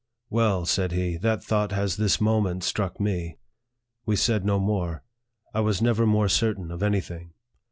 Well," said he, " that thought has this moment struck me." We said no more. I was never more certain of any thing.